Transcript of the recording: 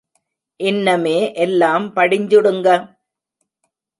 இன்னெமே எல்லாம் படிஞ்சுடுங்க.